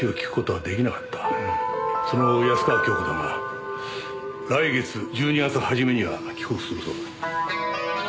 その安川恭子だが来月１２月初めには帰国するそうだ。